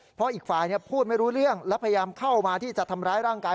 เพราะอีกฝ่ายพูดไม่รู้เรื่องและพยายามเข้ามาที่จะทำร้ายร่างกาย